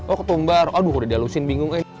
oh ketumbar aduh udah di halusin bingung ya ini